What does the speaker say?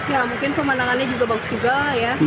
ya mungkin pemandangannya juga bagus juga ya